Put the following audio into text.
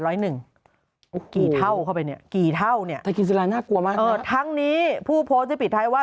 โอ้โฮไตรกีซาลายน่ากลัวมากนะครับทั้งนี้ผู้โพสต์ที่ปิดท้ายว่า